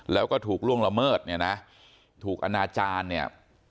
แล้วก็ถูกล่วงละเมิดเนี่ยนะถูกอนาจารย์เนี่ย